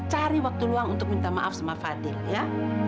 cari waktu luang untuk minta maaf sama fadil ya